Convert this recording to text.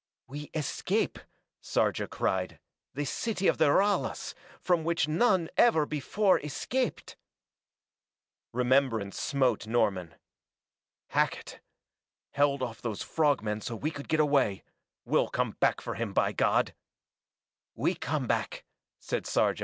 "We escape," Sarja cried, "the city of the Ralas, from which none ever before escaped!" Remembrance smote Norman. "Hackett! Held off those frog men so we could get away we'll come back for him, by God!" "We come back!" said Sarja.